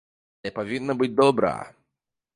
Але павінна быць добра.